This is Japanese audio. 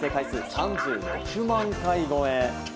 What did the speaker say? ３６万回超え。